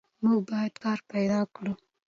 موږ باید کار پیدا کړو.